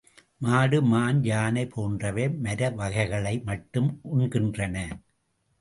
மாடு மான் யானை போன்றவை மர வகைகளை மட்டும் உண்கின்றன.